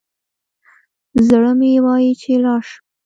زړه مي وايي چي لاړ شم